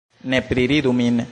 Ne priridu min